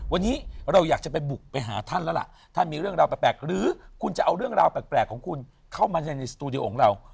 วันนี้เราอยากจะไปบุกไปหาท่านแล้วล่ะท่านมีเรื่องราวแปลกหรือคุณจะเอาเรื่องราวแปลกของคุณเข้ามาในสตูดิโอของเรา